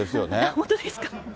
本当ですか？